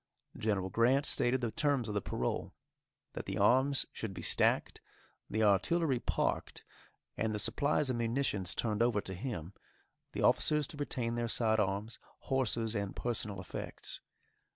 General Grant stated the terms of the parole; that the arms should be stacked, the artillery parked, and the supplies and munitions turned over to him, the officers to retain their side arms, horses, and personal effects.